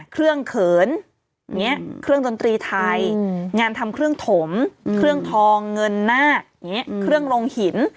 เครื่องเขินเครื่องดนตรีไทยงานทำเครื่องถมเครื่องทองเงินหน้าเครื่องลงหิน